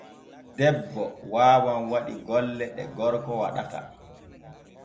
Debbo waawan waɗi golle ɗ e gorgo waɗata.